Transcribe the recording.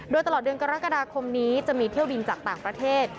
โดยตลอดเดือนกรกฎาคมนี้จะมีเที่ยวบินจากต่างประเทศ